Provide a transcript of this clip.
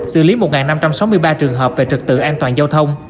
xử lý một năm trăm sáu mươi ba trường hợp về trực tự an toàn giao thông